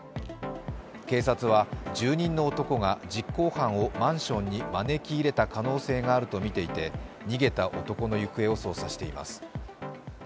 警察は住人の男が実行犯をマンションに招き入れた可能性があるとみていて逃げた男の行方を捜査しています。